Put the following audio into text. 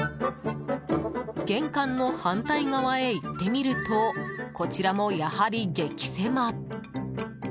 玄関の反対側へ行ってみるとこちらもやはり激狭。